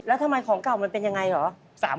แล้วทำไมของเก่ามันเป็นยังไงเหรอ